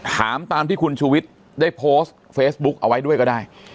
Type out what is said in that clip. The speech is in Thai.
ถามตามที่คุณชูวิทย์ได้โพสต์เฟซบุ๊กเอาไว้ด้วยก็ได้